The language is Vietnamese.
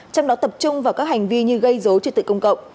trong đó tập trung vào các hành vi như gây dấu truyền tự công cộng